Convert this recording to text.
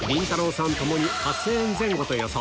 さん共に８０００円前後と予想